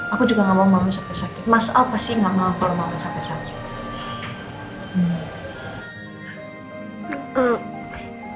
aku juga gak mau mama sampai sakit mas al pasti gak mau kalau mama sampai sakit